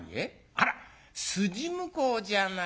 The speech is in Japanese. あら筋向こうじゃないか。